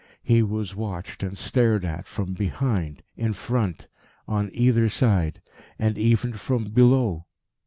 He was watched and stared at from behind, in front, on either side, and even from below.